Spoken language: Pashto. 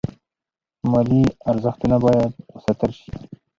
مالي ارزښتونه باید وساتل شي.